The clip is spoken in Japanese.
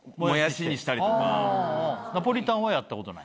ナポリタンはやったことない？